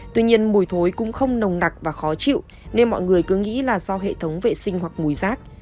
tuy nhiên mùi thối cũng không nồng nặc và khó chịu nên mọi người cứ nghĩ là do hệ thống vệ sinh hoặc mùi rác